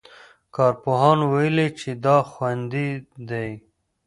کارپوهانو ویلي چې دا خوندي دی.